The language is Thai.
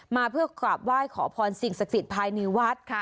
มาเพื่อกราบไหว้ขอพรสิ่งศักดิ์สิทธิ์ภายในวัด